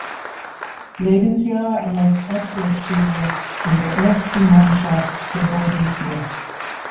Lebensjahr als Abwehrspieler in der ersten Mannschaft der Borussia.